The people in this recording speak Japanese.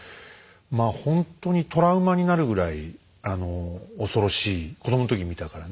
まあほんとにトラウマになるぐらい恐ろしい子供の時に見たからね。